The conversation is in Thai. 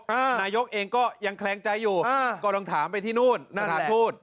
นายกเองก็ยังแคลงใจอยู่อ่าก็ต้องถามไปที่นู่นสถานทูต